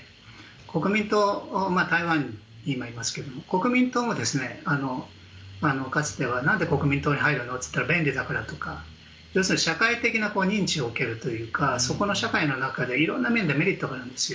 国民党、台湾に今いますが国民党もかつてはなんで国民党に入るの？といったら便利だからとか社会的な認知を受けるというかそこの社会の中で色んな面でメリットがあるんですよ。